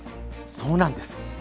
そうなんです。